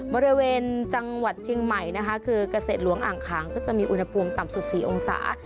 บริเวณจังหวัดเชียงใหม่นะคะคือเกษตรหลวงอ่างขางก็จะมีอุณหภูมิต่ำสุด๔องศา